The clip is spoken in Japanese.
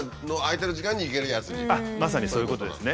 自分のまさにそういうことですね。